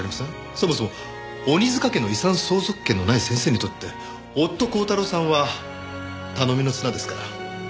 そもそも鬼束家の遺産相続権のない先生にとって夫鋼太郎さんは頼みの綱ですから。